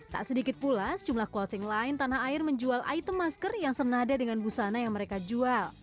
tak sedikit pula sejumlah clothing line tanah air menjual item masker yang senada dengan busana yang mereka jual